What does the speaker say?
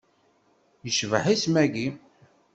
Icbeḥ isem-agi.